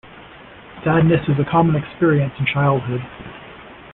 Sadness is a common experience in childhood.